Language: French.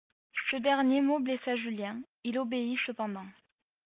Ce dernier mot blessa Julien, il obéit cependant.